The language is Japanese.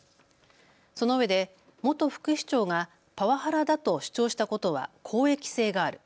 そのうえで元副市長がパワハラだと主張したことは公益性がある。